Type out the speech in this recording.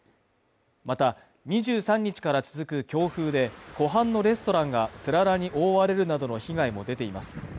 また２３日から続く強風で湖畔のレストランがつららに覆われるなどの被害も出ています